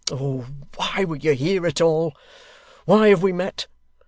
Oh! why were you here at all! Why have we met!